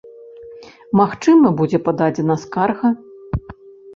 Магчыма, будзе пададзена скарга.